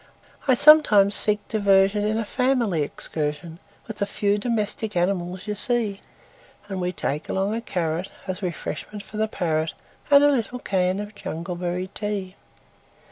I sometimes seek diversionIn a family excursionWith the few domestic animals you see; And we take along a carrotAs refreshment for the parrot, And a little can of jungleberry tea.